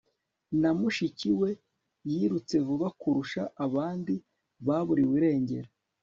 na mushiki we, yirutse vuba kurusha abandi. baburiwe irengero